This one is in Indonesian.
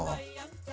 di jalan jogja